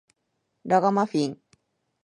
ラガマフィン